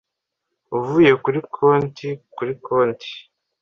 avuye kuri konti kuri konti